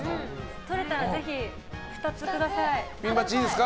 取れたらぜひ２つください。